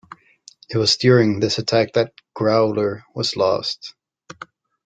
It was during this attack that "Growler" was lost.